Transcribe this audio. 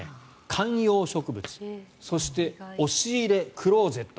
観葉植物そして押し入れ・クローゼット。